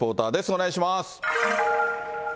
お願いします。